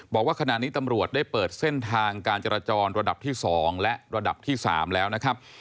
บอกว่าขณะนี้ตำรวจได้เปิดเส้นทางการจราจรระดับที่๒และระดับที่๓แล้วนะครับ